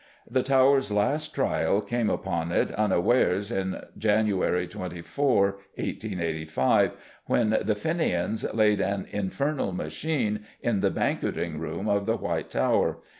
The Tower's last trial came upon it, unawares, in January 24, 1885, when the "Fenians" laid an infernal machine in the Banqueting Room of the White Tower.